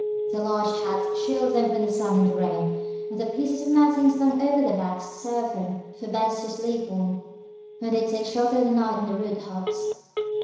Their large hats shield them from the sun and the rain, and the pieces of matting slung over their backs serve them for beds to sleep on, when they take shelter for the night in rude huts.